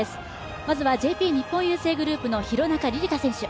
まずはＪＰ日本郵政グループの廣中璃梨佳選手。